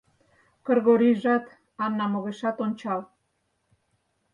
Кыргорийжат Анам огешат ончал.